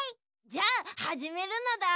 じゃあはじめるのだ。